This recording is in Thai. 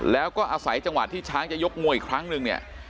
แล้วก็อาศัยจังหวะที่ช้างจะยกมวยอีกครั้งนึงเนี่ย